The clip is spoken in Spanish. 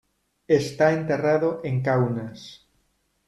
Está enterrado en Kaunas.